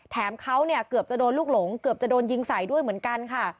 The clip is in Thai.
แถมเขาเนี่ยเกือบจะโดนลูกหลงเกือบจะโดนยิงใส่ด้วยเหมือนกันค่ะ